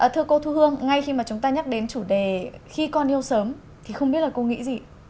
thưa cô thu hương ngay khi mà chúng ta nhắc đến chủ đề khi con yêu sớm thì không biết là cô nghĩ gì